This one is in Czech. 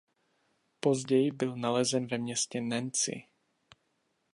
Později byl nalezen ve městě Nancy.